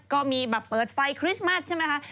ก็มีแบบเปิดไฟคริสต์มัสใช่ไหมคะ